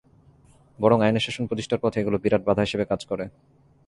বরং আইনের শাসন প্রতিষ্ঠার পথে এগুলো বিরাট বাধা হিসেবে কাজ করে।